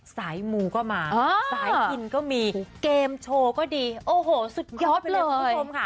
สายหมูก็มาสายกินก็มีเกมโชว์ก็ดีโอ้โหสุดยอดเลย